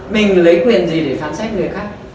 mình lấy quyền gì để phán xét người khác